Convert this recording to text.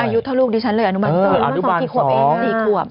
อายุเท่าลูกดีชั้นเลยอันดุบัน๒อันดุบัน๒สี่ขวบเอง